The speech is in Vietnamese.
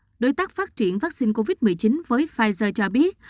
các đối tác phát triển vaccine covid một mươi chín với pfizer cho biết